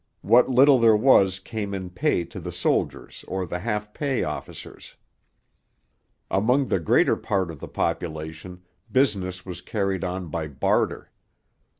What little there was came in pay to the soldiers or the half pay officers. Among the greater part of the population, business was carried on by barter.